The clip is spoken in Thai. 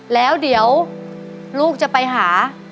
แล้วเดี๋ยวลูกจะไปหา